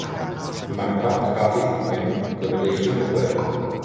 Martha odchází s Nickem do vedlejšího pokoje.